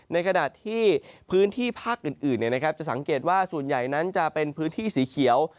ในขณะที่พื้นที่ภาคอื่นจะสังเกตว่าส่วนใหญ่นั้นจะเป็นพื้นที่สีเขียว